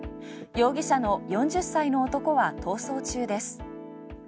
容疑者の４０歳の男は逃走中です。